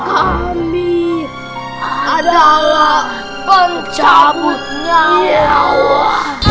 kami adalah pencabut nyawa